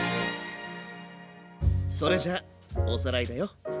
それじゃおさらいだよ。